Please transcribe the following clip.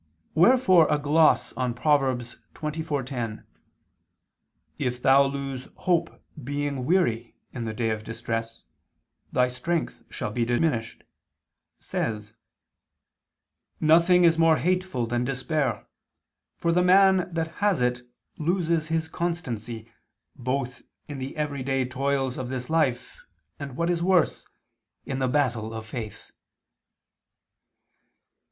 Wherefore a gloss on Prov. 24:10, "If thou lose hope being weary in the day of distress, thy strength shall be diminished," says: "Nothing is more hateful than despair, for the man that has it loses his constancy both in the every day toils of this life, and, what is worse, in the battle of faith."